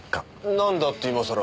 なんだって今さら。